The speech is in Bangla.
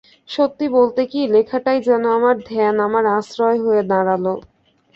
সত্যি বলতে কি, লেখাটাই যেন আমার ধ্যান আমার আশ্রয় হয়ে দাঁড়াল।